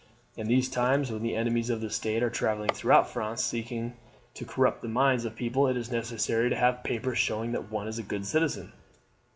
In these times, when the enemies of the state are travelling throughout France seeking to corrupt the minds of the people, it is necessary to have papers showing that one is a good citizen."